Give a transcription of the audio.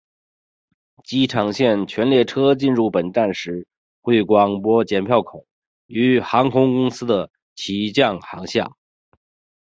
机场线全列车进入本站时会广播剪票口与航空公司的起降航厦。